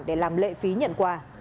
để làm lệ phí nhận quà